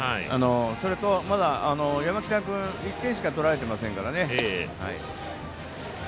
それと、まだ山北君１点しか取られてませんからね。